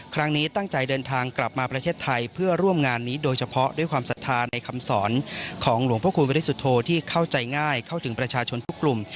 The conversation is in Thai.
ครั้งนี้ตั้งใจเดินทางกลับมาประเทศไทยเพื่อร่วมงานนี้โดยเฉพาะด้วยความศรัทธาในคำสอนของหลวงพระคุณวริสุทธโธที่เข้าใจง่ายเข้าถึงประชาชนทุกกลุ่ม